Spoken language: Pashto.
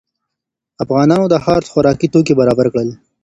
افغانانو د ښار خوراکي توکي برابر کړل.